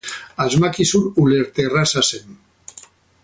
Asmakizun ulerterraza zen.